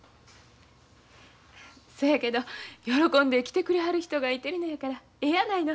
そやけど喜んで着てくれはる人がいてるのやからええやないの。